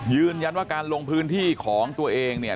ยืนยันว่าการลงพื้นที่ของตัวเองเนี่ย